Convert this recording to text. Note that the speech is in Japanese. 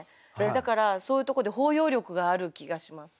だからそういうとこで包容力がある気がします。